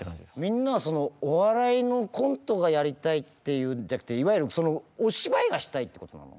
みんなはお笑いのコントがやりたいっていうんじゃなくていわゆるお芝居がしたいってことなの？